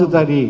ya itu tadi